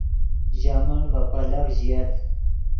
ژے من ڤے پیلف ژییت